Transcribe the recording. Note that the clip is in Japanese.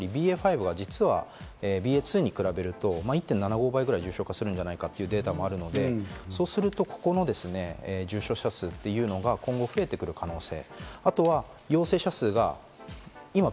あとは先程もお話した通り、ＢＡ．５は実はＢＡ．２に比べると１．７５倍ぐらい重症化するんじゃないかというデータがあって、そうするとここの重症者数が今後、増えてくる可能性。